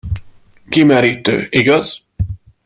Kimerítő, igaz?